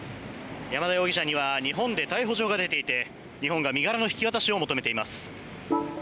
山田容疑者には日本で逮捕状が出ていて日本が身柄の引き渡しを求めています。